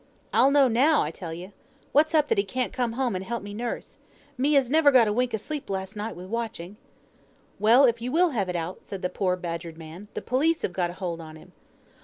"I'll know now, I tell ye. What's up that he can't come home and help me nurse? Me, as never got a wink o' sleep last night wi' watching." "Well, if you will have it out," said the poor badgered man, "the police have got hold on him."